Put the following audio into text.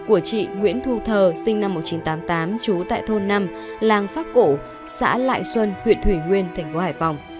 của chị nguyễn thu thờ sinh năm một nghìn chín trăm tám mươi tám trú tại thôn năm làng pháp cổ xã lại xuân huyện thủy nguyên thành phố hải phòng